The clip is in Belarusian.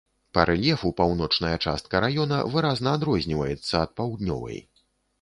Па рэльефу паўночная частка раёна выразна адрозніваецца ад паўднёвай.